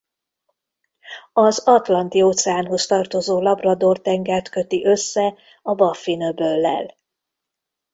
Az Atlanti-óceánhoz tartozó Labrador-tengert köti össze a Baffin-öböllel.